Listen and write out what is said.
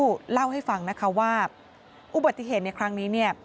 ก็เล่าให้ฟังนะคะว่าอุบัติเหตุในครั้งนี้เนี่ย